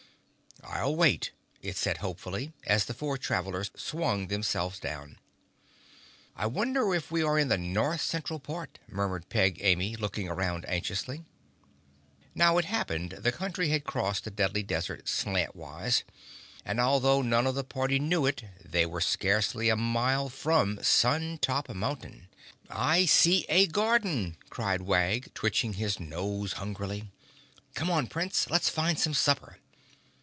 "I'll wait," it said hopefully, as the four travelers swung themselves down. "I wonder if we are in the North Central part," murmured Peg Amy, looking around anxiously. Now it happened the Country had crossed the Deadly Desert slantwise and although none of the party knew it they were scarcely a mile from Sun Top Mountain. "I see a garden!" cried Wag, twitching his nose hungrily. "Come on, Prince, let's find some supper."